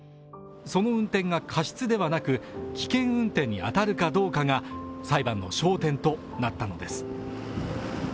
その運転が過失ではなく、危険運転に当たるかどうかが裁判の焦点となったのです。